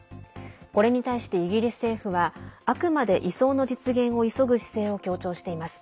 これに対してイギリス政府はあくまで移送の実現を急ぐ姿勢を強調しています。